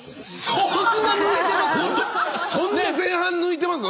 そんなに抜いてます？